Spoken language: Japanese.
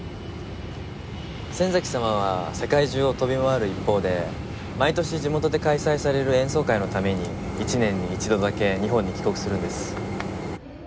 仙崎様は世界中を飛び回る一方で毎年地元で開催される演奏会のために一年に一度だけ日本に帰国するんです。